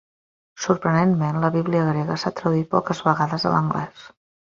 Sorprenentment, la Bíblia grega s'ha traduït poques vegades a l'anglès.